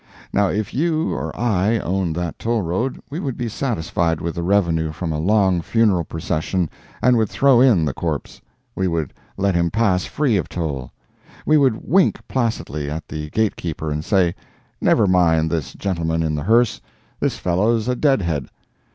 Now if you or I owned that toll road we would be satisfied with the revenue from a long funeral procession and would "throw in" the corpse—we would let him pass free of toll—we would wink placidly at the gate keeper and say, "Never mind this gentleman in the hearse—this fellow's a dead head."